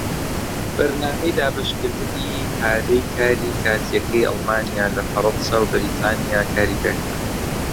بەرنامەی دابەشکردنی پارەی کاری کاتیەکەی ئەڵمانیا لە فەڕەنسا و بەریتانیا کاری پێکرا.